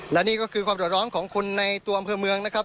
และนี่ก็คือความเดือดร้อนของคนในตัวอำเภอเมืองนะครับ